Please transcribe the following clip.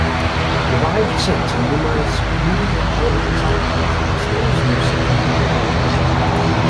Revived since in numerous movie and television soundtracks, it still receives significant radio airplay.